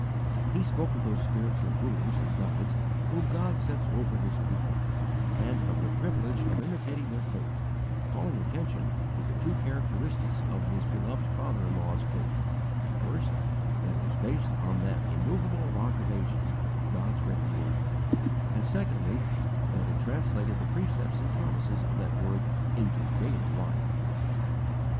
He spoke of those spiritual rulers and guides whom God sets over his people; and of the privilege of imitating their faith, calling attention to the two characteristics of his beloved father in law's faith: first, that it was based on that immovable Rock of Ages, God's written word; and secondly, that it translated the precepts and promises of that word into daily life.